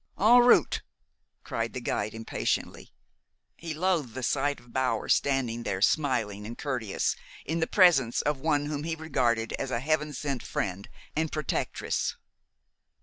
"En route!" cried the guide impatiently. He loathed the sight of Bower standing there, smiling and courteous, in the presence of one whom he regarded as a Heaven sent friend and protectress.